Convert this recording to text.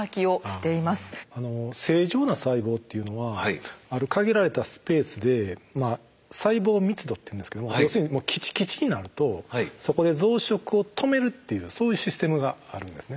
正常な細胞っていうのはある限られたスペースで細胞密度っていうんですけども要するにもうきちきちになるとそこで増殖を止めるっていうそういうシステムがあるんですね。